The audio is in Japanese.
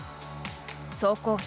総工費